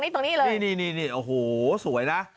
ตรงนี้เลยนี่โอ้โหสวยนะ